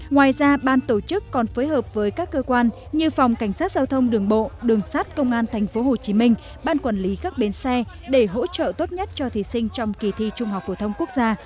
ngoài ra ban tổ chức còn phối hợp với các cơ quan như phòng cảnh sát giao thông đường bộ đường sát công an tp hcm ban quản lý các bến xe để hỗ trợ tốt nhất cho thí sinh trong kỳ thi trung học phổ thông quốc gia